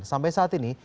sampai saat ini